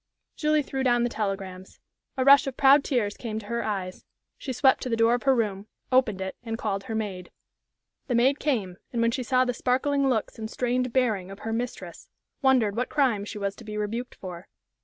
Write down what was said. Julie threw down the telegrams. A rush of proud tears came to her eyes. She swept to the door of her room, opened it, and called her maid. The maid came, and when she saw the sparkling looks and strained bearing of her mistress, wondered what crime she was to be rebuked for.